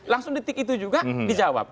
langsung detik itu juga dijawab